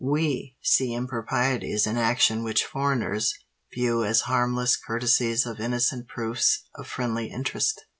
We see improprieties in actions which foreigners view as harmless courtesies or innocent proofs of friendly interest.